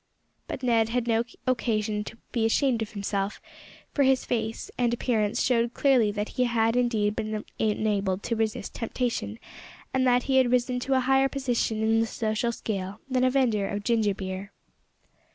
But Ned had no occasion to be ashamed of himself, for his face and appearance showed clearly that he had indeed been enabled to resist temptation, and that he had risen to a higher position in the social scale than a vendor of ginger beer.